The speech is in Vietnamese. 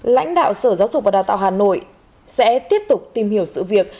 lãnh đạo sở giáo dục và đào tạo hà nội sẽ tiếp tục tìm hiểu sự việc